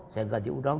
saya tidak diundang